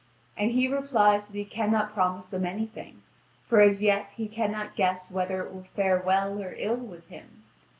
And he replies that he cannot promise them anything, for as yet he cannot guess whether it will fare well or ill with him.